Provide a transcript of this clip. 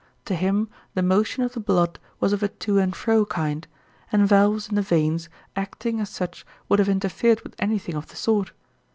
To him the motion of the blood was of a to and fro kind, and valves in the veins acting as such would have interfered with anything of the sort.